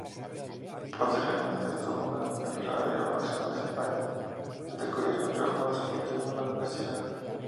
Posteriormente, estuvo en Radio Nacional de España ante cuyos micrófonos cultivó la poesía.